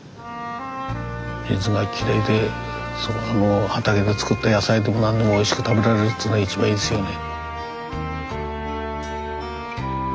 水がきれいで畑で作った野菜でも何でもおいしく食べられるっつうのは一番いいですよね。